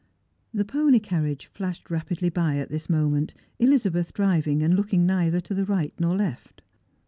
The pony carriage Hashed rapidly by at this moment; Eliza beth driving, and looking neither to the right nor left.